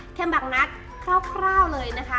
เขียนบันดิ์นัทคร่าวเลยนะคะ